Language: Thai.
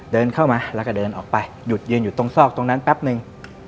เดินเข้ามาแล้วก็เดินออกไปหยุดยืนอยู่ตรงซอกตรงนั้นแป๊บนึง